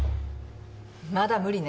まだ無理ね。